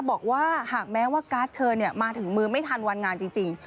บอกว่าหากแม้ว่าการ์ดเชิญมาถึงมือไม่ทันวันงานจริง